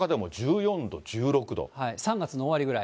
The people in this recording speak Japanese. ３月の終わりぐらい。